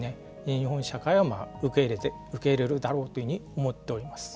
日本社会は受け入れるだろうというふうに思っております。